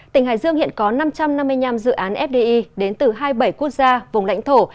tỉnh hải dương hiện có năm trăm năm mươi năm dự án fdi đến từ hai mươi bảy quốc gia vùng lãnh thổ